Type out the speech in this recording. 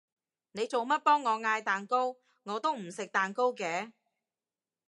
你做乜幫我嗌蛋糕？我都唔食蛋糕嘅